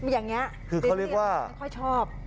อย่างนี้คือเขาเรียกว่าไม่ค่อยชอบ